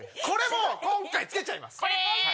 これも今回付けちゃいます。